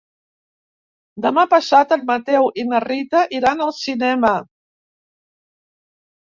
Demà passat en Mateu i na Rita iran al cinema.